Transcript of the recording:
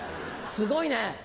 すごいね。